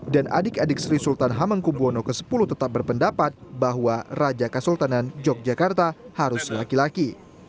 dan adik adik sri sultan hamengkubwono x tetap berpendapat bahwa raja kasultanan yogyakarta harus laki laki